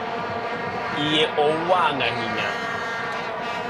Iye owang ahinya